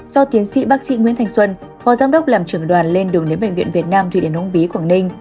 do tiến sĩ bác sĩ nguyễn thành xuân phò giám đốc làm trưởng đoàn lên đường đến bệnh viện việt nam thủy điển hống bí quảng ninh